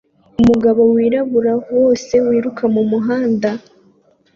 Umugabo wirabura wose yiruka mumuhanda